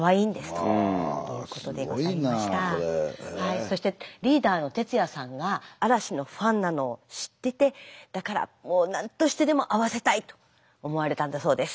そしてリーダーのてつやさんが嵐のファンなのを知っててだからもうなんとしてでも会わせたいと思われたんだそうです。